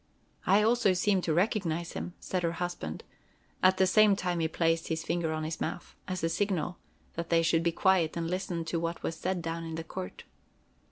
"I also seem to recognize him," said her husband; at the same time he placed his finger on his mouth, as a signal that they should be quiet and listen to what was said down in the court.